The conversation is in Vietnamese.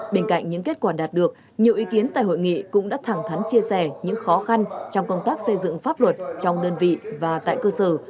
bên cạnh những kết quả đạt được nhiều ý kiến tại hội nghị cũng đã thẳng thắn chia sẻ những khó khăn trong công tác xây dựng pháp luật trong đơn vị và tại cơ sở